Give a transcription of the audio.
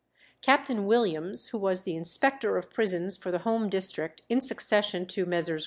Captain Williams, who was the inspector of prisons for the home district in succession to Messrs.